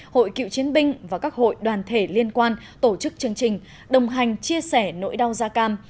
hội cựu chiến binh và các hội đoàn thể liên quan tổ chức chương trình đồng hành chia sẻ nỗi đau da cam